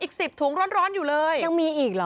อีก๑๐ถุงร้อนอยู่เลยยังมีอีกเหรอ